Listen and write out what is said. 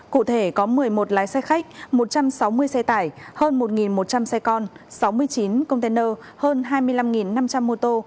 cụ thể có một mươi một lái xe khách một trăm sáu mươi xe tải hơn một một trăm linh xe con sáu mươi chín container hơn hai mươi năm năm trăm linh mô tô